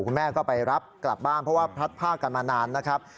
คุณแม่ก็ไปรับกลับบ้านเพราะว่าพลัดผ้ากันมานานนะครับ